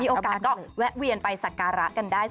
โอกาสก็แวะเวียนไปสักการะกันได้